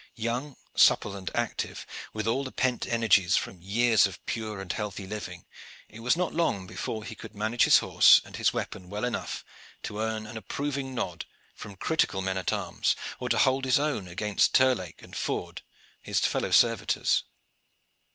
Young, supple and active, with all the pent energies from years of pure and healthy living, it was not long before he could manage his horse and his weapon well enough to earn an approving nod from critical men at arms, or to hold his own against Terlake and Ford, his fellow servitors.